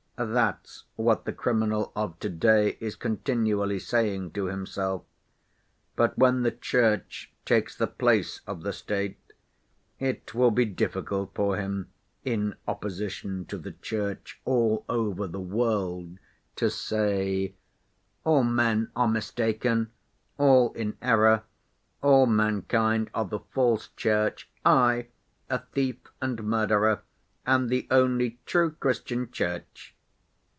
That's what the criminal of to‐day is continually saying to himself, but when the Church takes the place of the State it will be difficult for him, in opposition to the Church all over the world, to say: 'All men are mistaken, all in error, all mankind are the false Church. I, a thief and murderer, am the only true Christian Church.